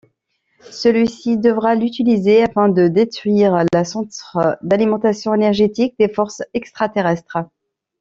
Celui-ci devra l'utiliser afin de détruire le centre d'alimentation énergétique des forces extra terrestres.